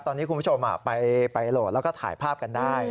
ตอนนี้คุณผู้ชมไปโหลดแล้วก็ถ่ายภาพกันได้